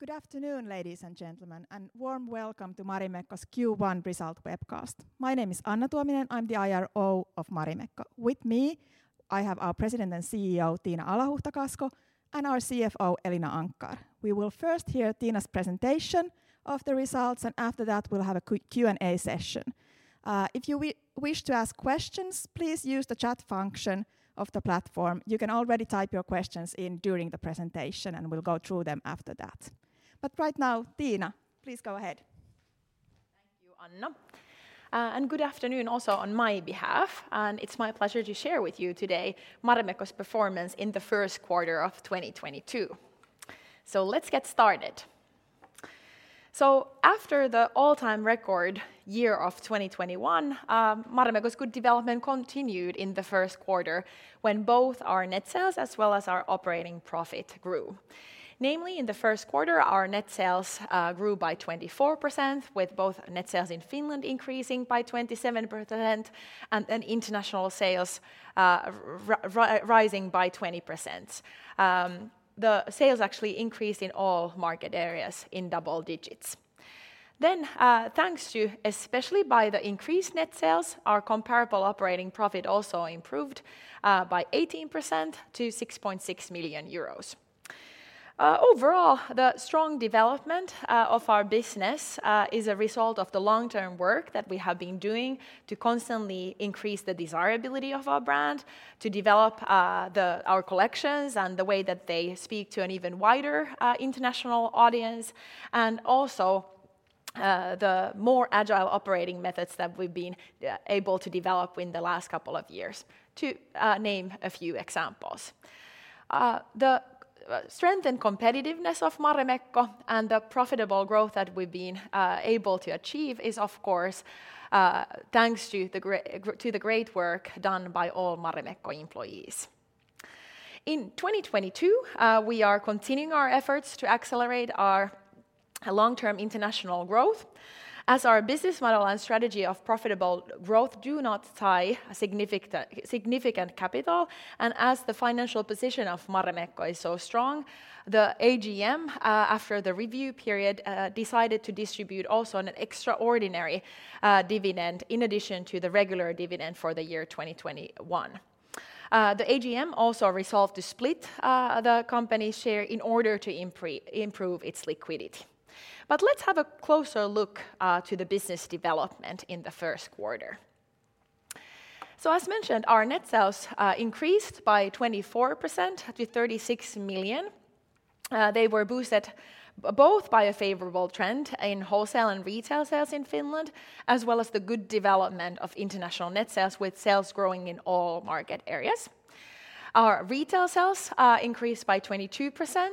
Good afternoon, ladies and gentlemen, and warm welcome to Marimekko's Q1 result webcast. My name is Anna Tuominen. I'm the IRO of Marimekko. With me, I have our President and CEO, Tiina Alahuhta-Kasko, and our CFO, Elina Anckar. We will first hear Tiina's presentation of the results, and after that, we'll have a quick Q&A session. If you wish to ask questions, please use the chat function of the platform. You can already type your questions in during the presentation, and we'll go through them after that. Right now, Tiina, please go ahead. Thank you, Anna. And good afternoon also on my behalf, and it's my pleasure to share with you today Marimekko's performance in the first quarter of 2022. Let's get started. After the all-time record year of 2021, Marimekko's good development continued in the first quarter when both our net sales as well as our operating profit grew. Namely, in the first quarter, our net sales grew by 24% with both net sales in Finland increasing by 27% and then international sales rising by 20%. The sales actually increased in all market areas in double digits. Thanks to especially by the increased net sales, our comparable operating profit also improved by 18% to 6.6 million euros. Overall, the strong development of our business is a result of the long-term work that we have been doing to constantly increase the desirability of our brand, to develop our collections and the way that they speak to an even wider international audience, and also the more agile operating methods that we've been able to develop in the last couple of years, to name a few examples. The strength and competitiveness of Marimekko and the profitable growth that we've been able to achieve is, of course, thanks to the great work done by all Marimekko employees. In 2022, we are continuing our efforts to accelerate our long-term international growth. As our business model and strategy of profitable growth do not tie significant capital, and as the financial position of Marimekko is so strong, the AGM after the review period decided to distribute also an extraordinary dividend in addition to the regular dividend for the year 2021. The AGM also resolved to split the company share in order to improve its liquidity. Let's have a closer look to the business development in the first quarter. As mentioned, our net sales increased by 24% to 36 million. They were boosted both by a favorable trend in wholesale and retail sales in Finland, as well as the good development of international net sales with sales growing in all market areas. Our retail sales increased by 22%.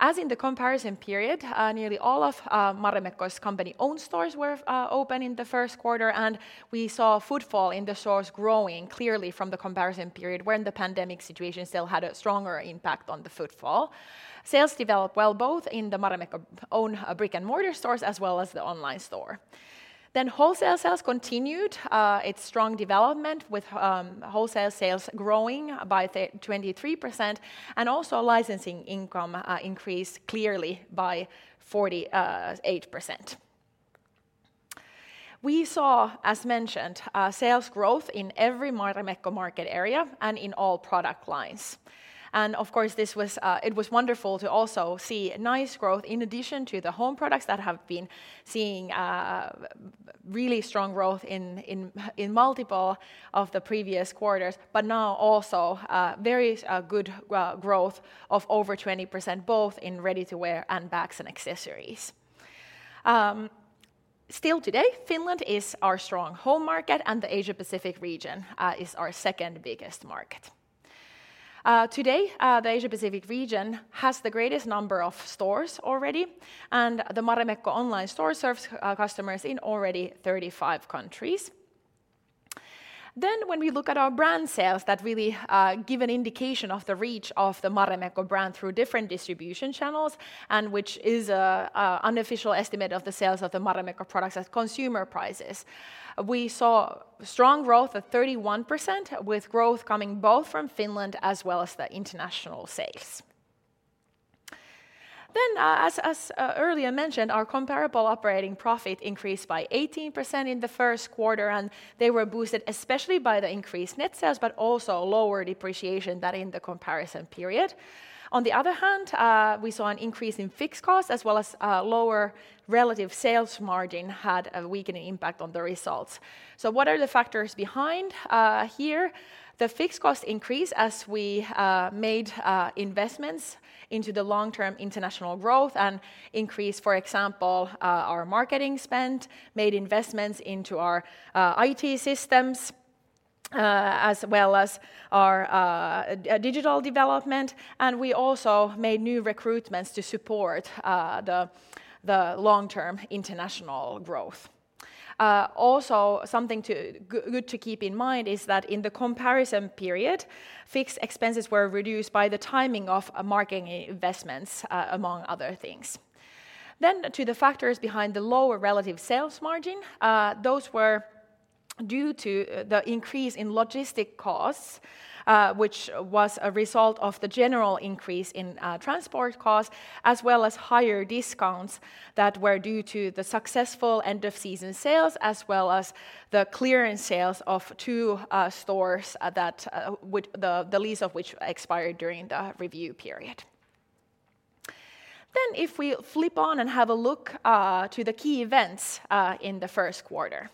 As in the comparison period, nearly all of Marimekko's company-owned stores were open in the first quarter, and we saw footfall in the stores growing clearly from the comparison period when the pandemic situation still had a stronger impact on the footfall. Sales developed well both in the Marimekko own brick-and-mortar stores as well as the online store. Wholesale sales continued its strong development with wholesale sales growing by 23%, and also licensing income increased clearly by 48%. We saw, as mentioned, sales growth in every Marimekko market area and in all product lines. Of course, it was wonderful to also see nice growth in addition to the home products that have been seeing really strong growth in multiple of the previous quarters, but now also very good growth of over 20% both in ready-to-wear and bags and accessories. Still today, Finland is our strong home market, and the Asia-Pacific region is our second biggest market. Today, the Asia-Pacific region has the greatest number of stores already, and the Marimekko online store serves customers in already 35 countries. When we look at our brand sales that really give an indication of the reach of the Marimekko brand through different distribution channels and which is unofficial estimate of the sales of the Marimekko products at consumer prices, we saw strong growth of 31% with growth coming both from Finland as well as the international sales. As earlier mentioned, our comparable operating profit increased by 18% in the first quarter, and they were boosted especially by the increased net sales but also lower depreciation than in the comparison period. On the other hand, we saw an increase in fixed costs as well as lower relative sales margin had a weakening impact on the results. What are the factors behind here? The fixed costs increase as we made investments into the long-term international growth and increased, for example, our marketing spend, made investments into our IT systems, as well as our digital development, and we also made new recruitments to support the long-term international growth. Also something good to keep in mind is that in the comparison period, fixed expenses were reduced by the timing of marketing investments, among other things. To the factors behind the lower relative sales margin, those were due to the increase in logistics costs, which was a result of the general increase in transport costs as well as higher discounts that were due to the successful end of season sales, as well as the clearance sales of two stores, that the lease of which expired during the review period. If we flip to and have a look to the key events in the first quarter.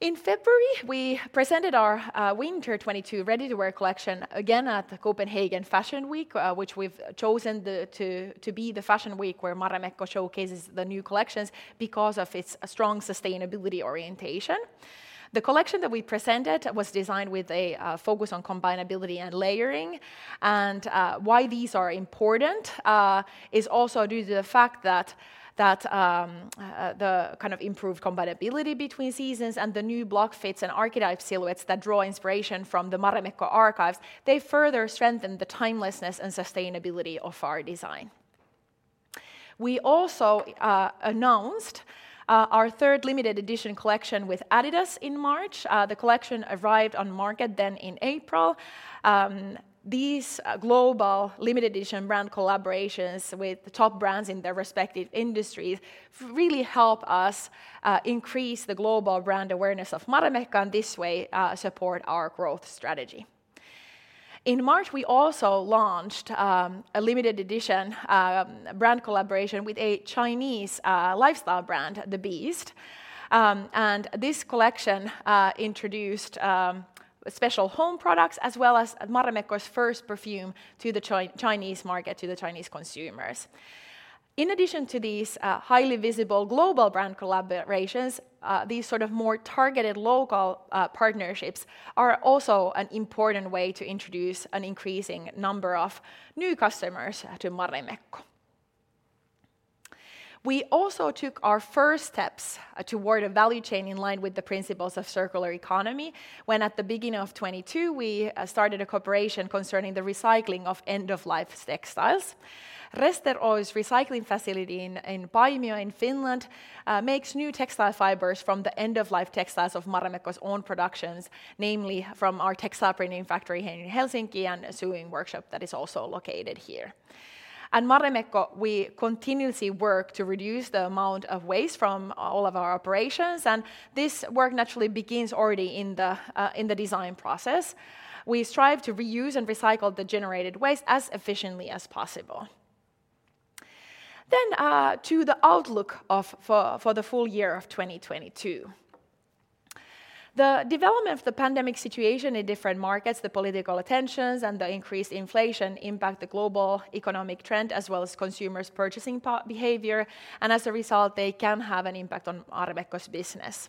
In February, we presented our winter 2022 ready-to-wear collection again at the Copenhagen Fashion Week, which we've chosen to be the Fashion Week where Marimekko showcases the new collections because of its strong sustainability orientation. The collection that we presented was designed with a focus on combinability and layering, and why these are important is also due to the fact that the kind of improved combinability between seasons and the new block fits and archetype silhouettes that draw inspiration from the Marimekko archives, they further strengthen the timelessness and sustainability of our design. We also announced our third limited edition collection with Adidas in March. The collection arrived on market then in April. These global limited edition brand collaborations with the top brands in their respective industries really help us increase the global brand awareness of Marimekko and this way support our growth strategy. In March, we also launched a limited edition brand collaboration with a Chinese lifestyle brand, The Beast. This collection introduced special home products as well as Marimekko's first perfume to the Chinese market, to the Chinese consumers. In addition to these, highly visible global brand collaborations, these sort of more targeted local partnerships are also an important way to introduce an increasing number of new customers to Marimekko. We also took our first steps toward a value chain in line with the principles of circular economy when at the beginning of 2022, we started a cooperation concerning the recycling of end-of-life textiles. Rester Oy's recycling facility in Paimio in Finland makes new textile fibers from the end-of-life textiles of Marimekko's own productions, namely from our textile printing factory here in Helsinki and a sewing workshop that is also located here. At Marimekko, we continuously work to reduce the amount of waste from all of our operations, and this work naturally begins already in the design process. We strive to reuse and recycle the generated waste as efficiently as possible. To the outlook for the full year of 2022. The development of the pandemic situation in different markets, the political tensions, and the increased inflation impact the global economic trend as well as consumers' purchasing behavior, and as a result, they can have an impact on Marimekko's business.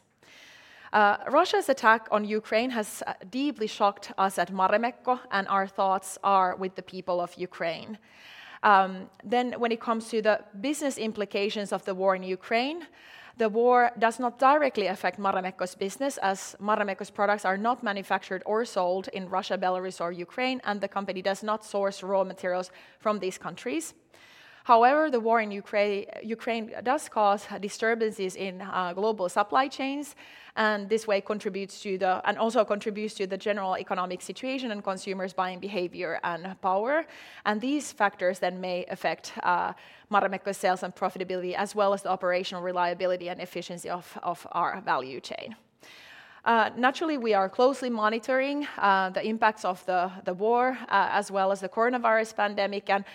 Russia's attack on Ukraine has deeply shocked us at Marimekko, and our thoughts are with the people of Ukraine. When it comes to the business implications of the war in Ukraine, the war does not directly affect Marimekko's business as Marimekko's products are not manufactured or sold in Russia, Belarus, or Ukraine, and the company does not source raw materials from these countries. However, the war in Ukraine does cause disturbances in global supply chains, and this way contributes to and also contributes to the general economic situation and consumers' buying behavior and power. These factors may affect Marimekko's sales and profitability as well as the operational reliability and efficiency of our value chain. Naturally, we are closely monitoring the impacts of the war as well as the coronavirus pandemic and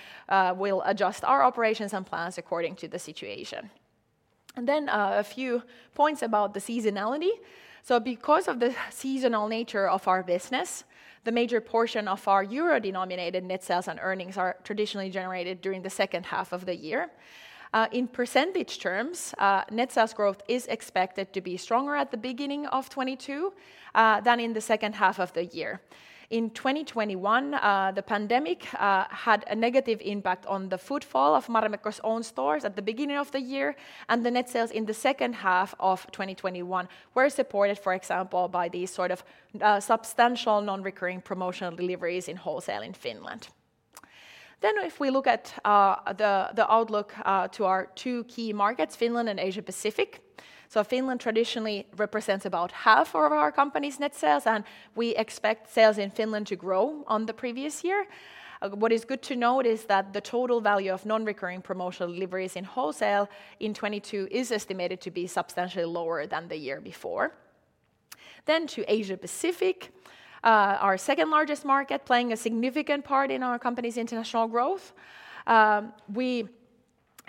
will adjust our operations and plans according to the situation. A few points about the seasonality. Because of the seasonal nature of our business, the major portion of our EUR-denominated net sales and earnings are traditionally generated during the second half of the year. In percentage terms, net sales growth is expected to be stronger at the beginning of 2022 than in the second half of the year. In 2021, the pandemic had a negative impact on the footfall of Marimekko's own stores at the beginning of the year, and the net sales in the second half of 2021 were supported, for example, by these sort of substantial non-recurring promotional deliveries in wholesale in Finland. If we look at the outlook to our two key markets, Finland and Asia-Pacific. Finland traditionally represents about half of our company's net sales, and we expect sales in Finland to grow on the previous year. What is good to note is that the total value of non-recurring promotional deliveries in wholesale in 2022 is estimated to be substantially lower than the year before. To Asia-Pacific, our second-largest market playing a significant part in our company's international growth. We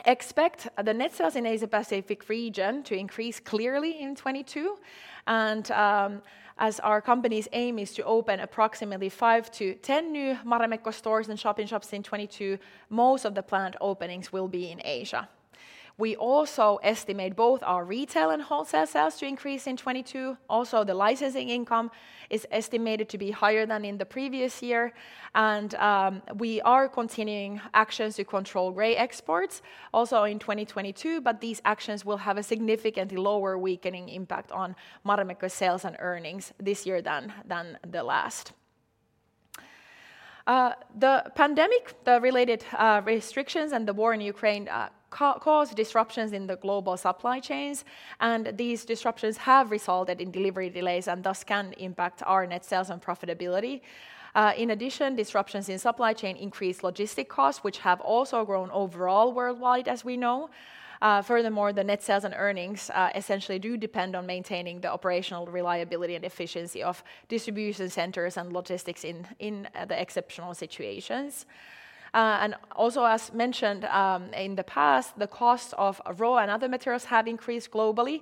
expect the net sales in Asia-Pacific region to increase clearly in 2022, and, as our company's aim is to open approximately 5-10 new Marimekko stores and shop-in-shops in 2022, most of the planned openings will be in Asia. We also estimate both our retail and wholesale sales to increase in 2022. Also, the licensing income is estimated to be higher than in the previous year. We are continuing actions to control gray exports also in 2022, but these actions will have a significantly lower weakening impact on Marimekko's sales and earnings this year than the last. The pandemic, the related restrictions, and the war in Ukraine cause disruptions in the global supply chains, and these disruptions have resulted in delivery delays and thus can impact our net sales and profitability. In addition, disruptions in supply chain increase logistic costs, which have also grown overall worldwide as we know. Furthermore, the net sales and earnings essentially do depend on maintaining the operational reliability and efficiency of distribution centers and logistics in the exceptional situations. Also as mentioned in the past, the cost of raw and other materials have increased globally.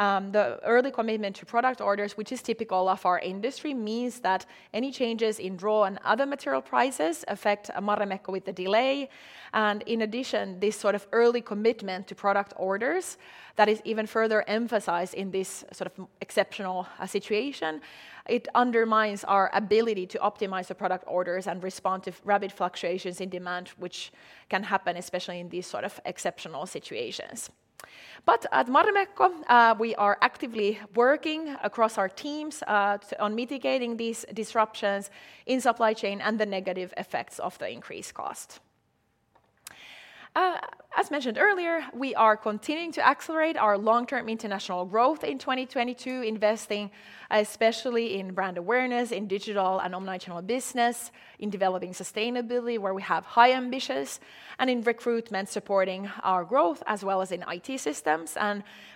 The early commitment to product orders, which is typical of our industry, means that any changes in raw and other material prices affect Marimekko with a delay. In addition, this sort of early commitment to product orders that is even further emphasized in this sort of exceptional situation. It undermines our ability to optimize the product orders and respond to rapid fluctuations in demand which can happen especially in these sort of exceptional situations. At Marimekko, we are actively working across our teams on mitigating these disruptions in supply chain and the negative effects of the increased cost. As mentioned earlier, we are continuing to accelerate our long-term international growth in 2022, investing especially in brand awareness, in digital and omnichannel business, in developing sustainability where we have high ambitions, and in recruitment supporting our growth as well as in IT systems.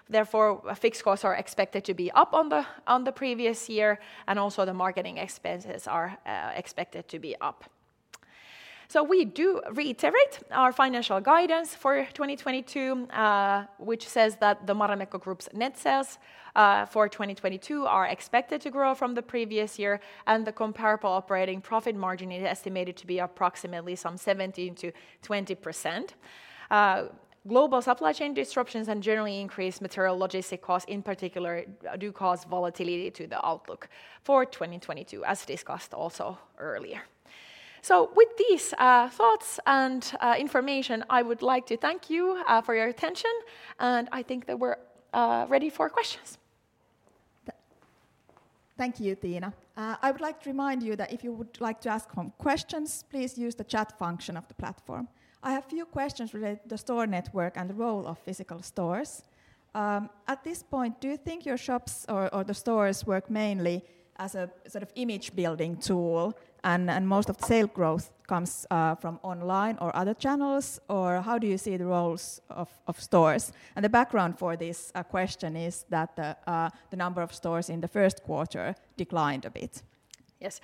Therefore, fixed costs are expected to be up on the previous year and also the marketing expenses are expected to be up. We do reiterate our financial guidance for 2022, which says that the Marimekko Group's net sales for 2022 are expected to grow from the previous year, and the comparable operating profit margin is estimated to be approximately 17%-20%. Global supply chain disruptions and generally increased materials and logistics costs in particular do cause volatility to the outlook for 2022, as discussed also earlier. With these thoughts and information, I would like to thank you for your attention, and I think that we're ready for questions. Thank you, Tiina. I would like to remind you that if you would like to ask questions, please use the chat function of the platform. I have few questions related to the store network and the role of physical stores. At this point, do you think your shops or the stores work mainly as a sort of image building tool and most of sales growth comes from online or other channels, or how do you see the roles of stores? The background for this question is that the number of stores in the first quarter declined a bit. Yes.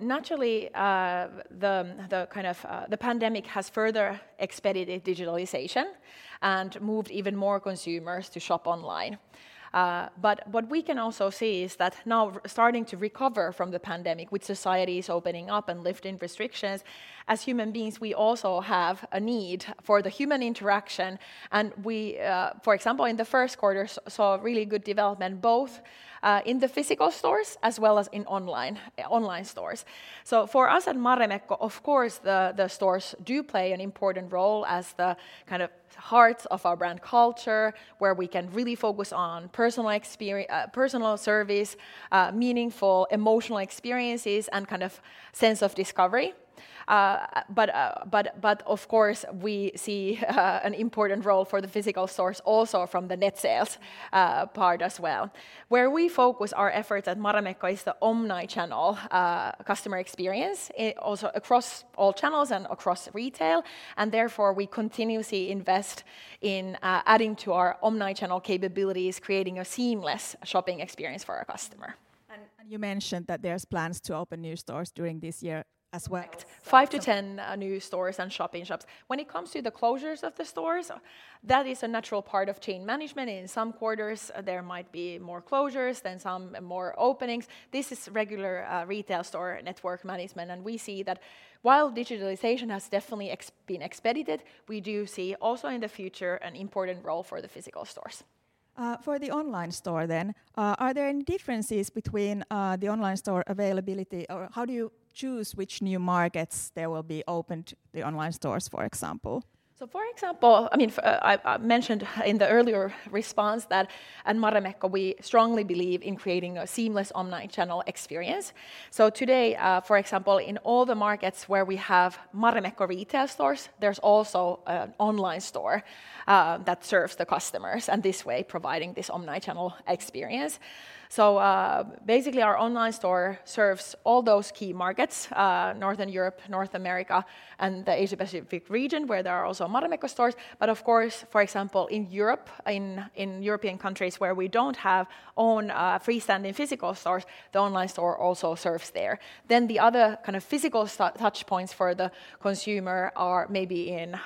Naturally, the pandemic has further expedited digitalization and moved even more consumers to shop online. What we can also see is that now starting to recover from the pandemic with societies opening up and lifting restrictions, as human beings. We also have a need for the human interaction, and we, for example, in the first quarter saw really good development both in the physical stores as well as in online stores. For us at Marimekko, of course, the stores do play an important role as the kind of heart of our brand culture where we can really focus on personal service, meaningful emotional experiences, and kind of sense of discovery. Of course, we see an important role for the physical stores also from the net sales part as well. Where we focus our efforts at Marimekko is the omnichannel customer experience also across all channels and across retail, and therefore we continuously invest in adding to our omnichannel capabilities, creating a seamless shopping experience for our customer. You mentioned that there's plans to open new stores during this year as well. 5-10 new stores and shop-in-shops. When it comes to the closures of the stores, that is a natural part of chain management. In some quarters, there might be more closures than some more openings. This is regular retail store network management, and we see that while digitalization has definitely been expedited, we do see also in the future an important role for the physical stores. For the online store then, are there any differences between the online store availability or how do you choose which new markets there will be opened the online stores, for example? For example, I mentioned in the earlier response that at Marimekko we strongly believe in creating a seamless omnichannel experience. Today, for example, in all the markets where we have Marimekko retail stores, there's also an online store that serves the customers, and this way providing this omnichannel experience. Basically, our online store serves all those key markets, Northern Europe, North America, and the Asia Pacific region where there are also Marimekko stores. Of course, for example, in Europe, in European countries where we don't have own freestanding physical stores, the online store also serves there. The other kind of physical touchpoints for the consumer are maybe in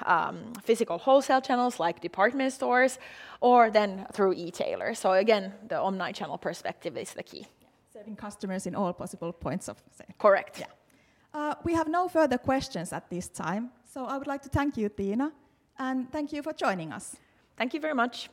physical wholesale channels like department stores or through e-tailers. Again, the omnichannel perspective is the key. Serving customers in all possible points of sale. Correct. Yeah. We have no further questions at this time, so I would like to thank you, Tiina, and thank you for joining us. Thank you very much.